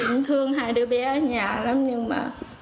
ung thương hai đứa bé ở nhà lắm nhưng mà